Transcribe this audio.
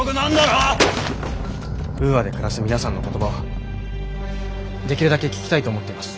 ウーアで暮らす皆さんの言葉はできるだけ聞きたいと思っています。